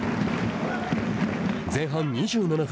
前半２７分。